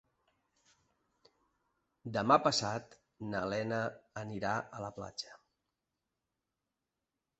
Demà passat na Lena anirà a la platja.